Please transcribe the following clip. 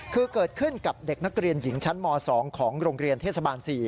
คือเกิดขึ้นกับเด็กนักเรียนหญิงชั้นม๒ของโรงเรียนเทศบาล๔